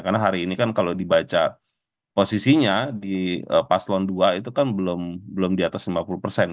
karena hari ini kan kalau dibaca posisinya di pas lon dua itu kan belum di atas lima puluh